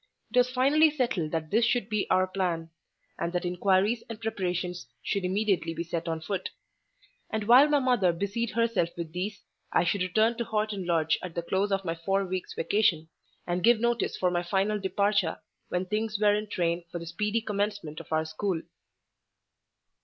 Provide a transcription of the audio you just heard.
It was finally settled that this should be our plan; and that inquiries and preparations should immediately be set on foot; and while my mother busied herself with these, I should return to Horton Lodge at the close of my four weeks' vacation, and give notice for my final departure when things were in train for the speedy commencement of our school.